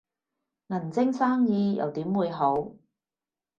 銀晶生意又點會好